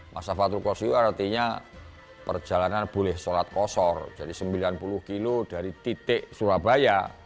masyarakat fatul qasri artinya perjalanan boleh sholat kosor jadi sembilan puluh km dari titik surabaya